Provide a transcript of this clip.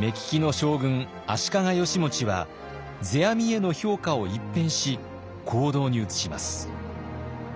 目利きの将軍足利義持は世阿弥への評価を一変し行動に移します。